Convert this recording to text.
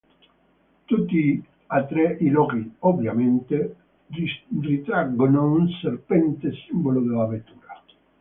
Tutti e tre i loghi, ovviamente, ritraggono un serpente, simbolo della vettura.